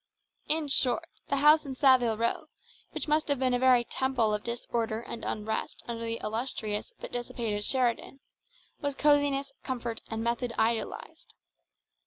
In short, the house in Saville Row, which must have been a very temple of disorder and unrest under the illustrious but dissipated Sheridan, was cosiness, comfort, and method idealised.